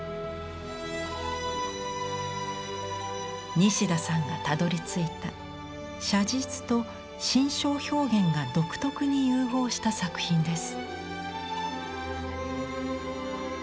西田さんがたどりついた写実と心象表現が独特に融合した作品です。